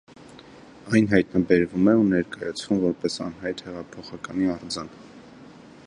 Այն հայտնաբերվում է ու ներկայացվում որպես անհայտ հեղափոխականի արձան։